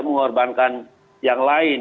mengorbankan yang lain